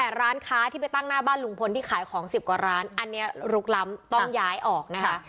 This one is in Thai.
แต่ร้านค้าที่ไปตั้งหน้าบ้านลุงพลที่ขายของ๑๐กว่าร้านอันนี้ลุกล้ำต้องย้ายออกนะคะ